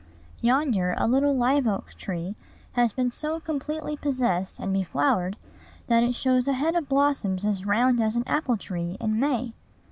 Yonder a little live oak tree has been so completely possessed and beflowered, that it shows a head of blossoms as round as an apple tree in May.